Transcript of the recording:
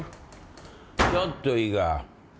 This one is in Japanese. ちょっといいか？